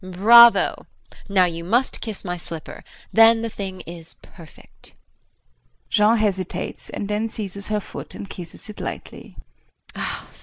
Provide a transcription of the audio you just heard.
Bravo! Now you must kiss my slipper. Then the thing is perfect. [Jean hesitates and then seizes her foot and kisses it lightly.